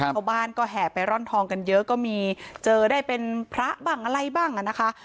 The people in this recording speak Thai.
ชาวบ้านก็แห่ไปร่อนทองกันเยอะก็มีเจอได้เป็นพระบ้างอะไรบ้างอ่ะนะคะ